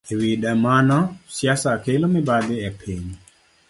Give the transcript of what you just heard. E wi mano, siasa kelo mibadhi e piny.